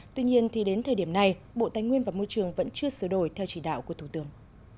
tuy nhiên thì đến thời điểm này bộ tài nguyên và môi trường vẫn chưa sửa đổi theo chỉ đạo của thủ tướng